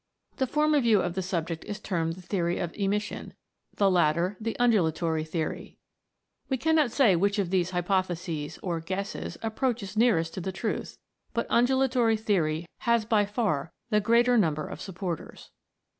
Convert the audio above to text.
The former view of the subject is termed the theory of emission ; the latter, the un dulatory theory. We cannot say which of these hypotheses, or guesses, approaches nearest to the truth, but the undulatory theory has by far the greater number of supporters.